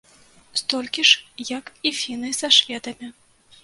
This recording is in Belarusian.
Столькі ж, як і фіны са шведамі.